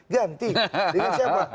ganti dengan siapa